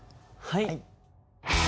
はい。